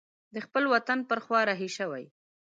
د خپل وطن پر خوا رهي شوی.